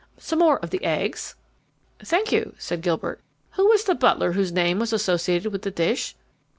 Some more of the eggs?" "Thank you," said Gilbert. "Who was the butler whose name was associated with the dish?"